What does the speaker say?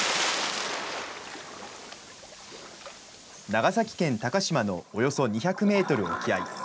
長崎県鷹島のおよそ２００メートル沖合。